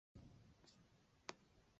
最后转任澶州总管。